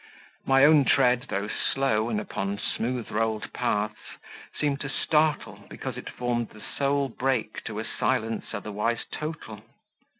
My own tread, though slow and upon smooth rolled paths, seemed to startle, because it formed the sole break to a silence otherwise total.